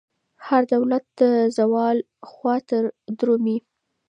هر دولت د زوال خواته درومي.